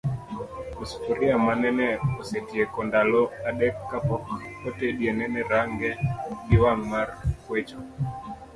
Osufuria manene osetieko ndalo adek kapok otedie nene range gi wang' mar kwecho.